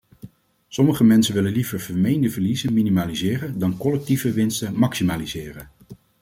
Sommige mensen willen liever vermeende verliezen minimaliseren dan collectieve winsten maximaliseren.